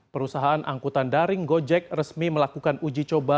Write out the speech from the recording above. perusahaan angkutan daring gojek resmi melakukan uji coba